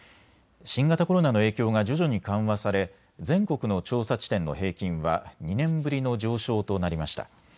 新型コロナの影響が徐々に緩和され全国の調査地点の平均は２年ぶりの上昇となりました。